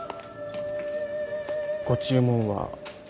ご注文は。